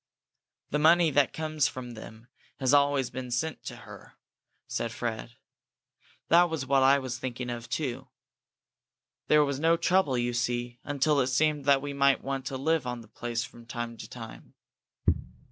"The money that comes from them has always been sent to her," said Fred. "That was what I was thinking of, too. There was no trouble, you see, until it seemed that we might want to live on the place from time to time."